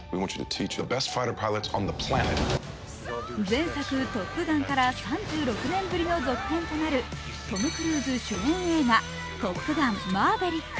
前作「トップガン」から３６年ぶりの続編となるトム・クルーズ主演映画「トップガンマーヴェリック」。